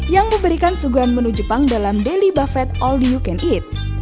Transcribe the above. yang memberikan suguhan menu jepang dalam daily buffet all you can eat